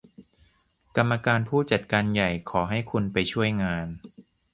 กรรมการผู้จัดการใหญ่ขอให้คุณไปช่วยงาน